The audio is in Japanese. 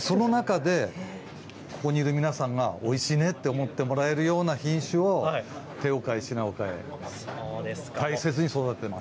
その中でここにいる皆さんがおいしいねと思ってもらえるような品種を手を変え品を変え大切に育てています。